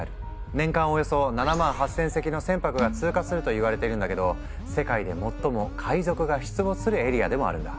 年間およそ７万８，０００隻の船舶が通過すると言われてるんだけど世界で最も海賊が出没するエリアでもあるんだ。